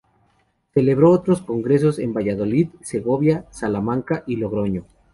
Celebró otros congresos en Valladolid, Segovia, Salamanca y Logroño.